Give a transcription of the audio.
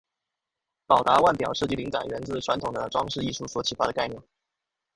宝达腕表设计灵感源自传统的装饰艺术所启发的概念。